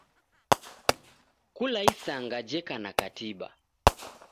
Kula isanga jeka na katiba.